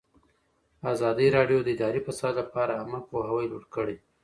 ازادي راډیو د اداري فساد لپاره عامه پوهاوي لوړ کړی.